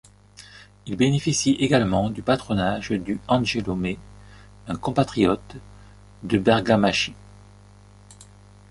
Il bénéficie également du patronage du Angelo Mai, un compatriote de Bergamaschi.